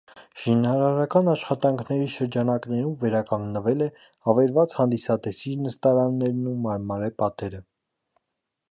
Շինարարական աշխատանքների շրջանակներում վերականգնվել է ավերված հանդիսատեսի նստարաններն ու մարմարե պատերը։